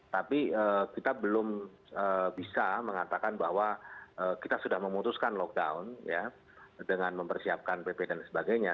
tapi kita belum bisa mengatakan bahwa kita sudah memutuskan lockdown ya dengan mempersiapkan pp dan sebagainya